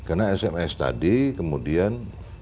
karena sms tadi kemudian